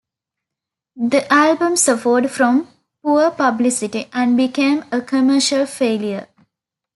The album suffered from poor publicity and became a commercial failure.